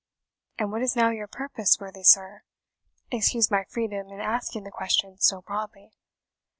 "And what is now your purpose, worthy sir? excuse my freedom in asking the question so broadly."